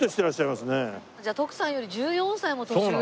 じゃあ徳さんより１４歳も年上。